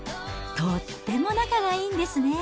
とっても仲がいいんですね。